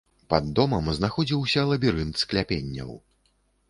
Пад домам знаходзіўся лабірынт скляпенняў.